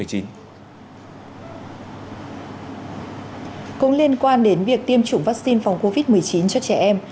cũng liên quan đến việc tiêm chủng vaccine phòng covid một mươi chín cho trẻ em